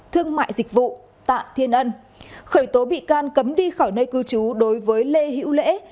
thương mại dịch vụ tạ thiên ân khởi tố bị can cấm đi khỏi nơi cư trú đối với lê hữu lễ